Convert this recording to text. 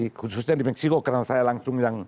khususnya di meksiko karena saya langsung yang